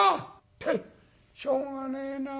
ケッしょうがねえなあ